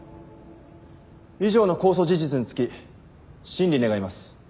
以上の公訴事実につき審理願います。